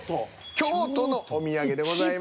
「京都のお土産」でございます。